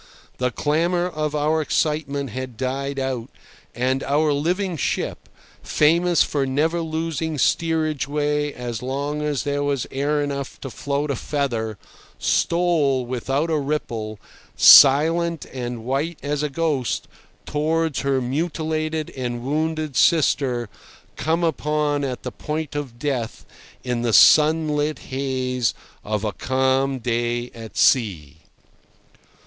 The clamour of our excitement had died out, and our living ship, famous for never losing steerage way as long as there was air enough to float a feather, stole, without a ripple, silent and white as a ghost, towards her mutilated and wounded sister, come upon at the point of death in the sunlit haze of a calm day at sea.